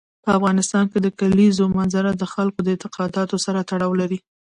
په افغانستان کې د کلیزو منظره د خلکو د اعتقاداتو سره تړاو لري.